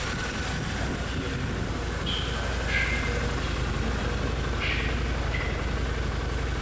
Sie hat vier Tore und drei später errichtete Minarette in verschiedenen Baustilen.